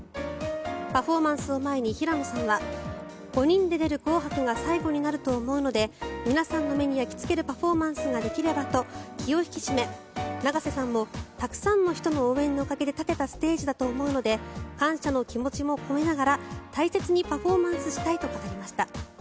パフォーマンスを前に平野さんは５人で出る「紅白」が最後となると思うので皆さんの目に焼きつけるパフォーマンスができればと気を引き締め、永瀬さんもたくさんの人の応援のおかげで立てたステージだと思うので感謝の気持ちを込めながら大切にパフォーマンスしたいと語りました。